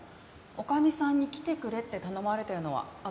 女将さんに来てくれって頼まれてるのは私だから。